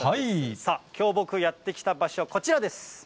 さあ、きょう僕やって来た場所、こちらです。